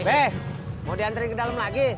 eh mau diantri ke dalam lagi